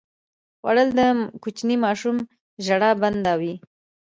خوړل د کوچني ماشوم ژړا بنده وي